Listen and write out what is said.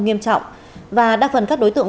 nghiêm trọng và đặc phần các đối tượng